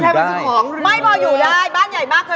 ปลอดภัณฑ์เนื่องสินะ